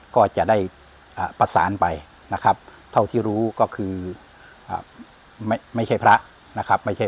ก็จะได้ประสานไปนะครับเท่าที่รู้ก็คือไม่ใช่พระนะครับ